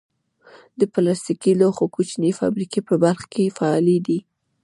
د پلاستیکي لوښو کوچنۍ فابریکې په بلخ کې فعالې دي.